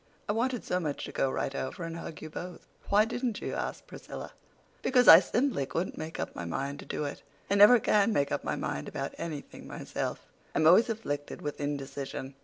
I wanted so much to go right over and hug you both." "Why didn't you?" asked Priscilla. "Because I simply couldn't make up my mind to do it. I never can make up my mind about anything myself—I'm always afflicted with indecision.